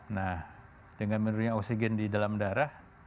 nah dengan menurunnya oksigen di dalam darah